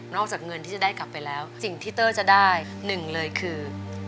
จากเงินที่จะได้กลับไปแล้วสิ่งที่เตอร์จะได้หนึ่งเลยคือ